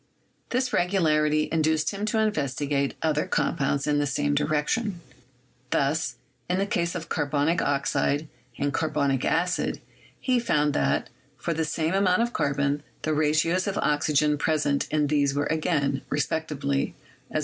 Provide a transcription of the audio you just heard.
This regularity induced him to investigate other com pounds in the same direction ; thus, in the case of carbonic oxide and carbonic acid he found that, for the same amount of carbon, the ratios of oxygen present in these were again, respectively, as 1:2.